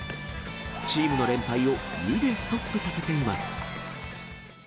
チームの連敗を２でストップさせています。